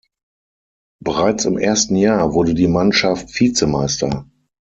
Bereits im ersten Jahr wurde die Mannschaft Vizemeister.